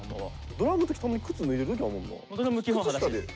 ドラムの時たまに靴脱いでる時あるもんな。